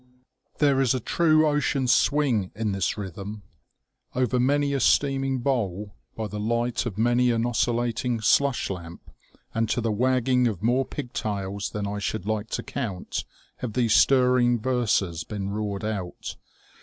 There is a true ocean swing in this rhythm. Over many a steaming bowl, by the light of many an oscillating slush lamp, and to the wagging of more pig tails than I should like to count, have these stirring verses been roared out.